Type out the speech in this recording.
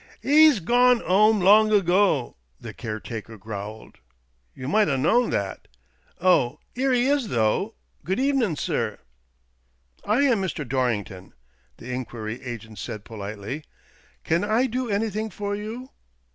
" 'E's gawn 'ome long ago," the caretaker growled; "you might 'a known that. Oh, 'ere 'e is though — good evenin', sir." " I am Mr. Dorrington," the inquiry agent said politely. " Can I do anything for you